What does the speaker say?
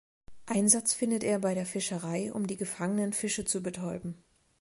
Einsatz findet er bei der Fischerei, um die gefangenen Fische zu betäuben.